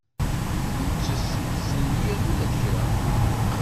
Ur ttestenyiɣ ula d kra.